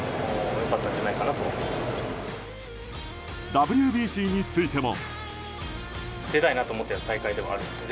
ＷＢＣについても。